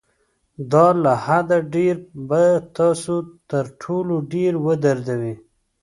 دا له حده ډېر به تاسو تر ټولو ډېر ودردوي.